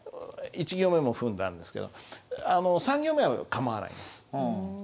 一行目も踏んだんですけどあの三行目は構わない。